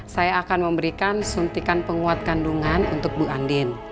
saya akan memberikan suntikan penguat kandungan untuk bu andin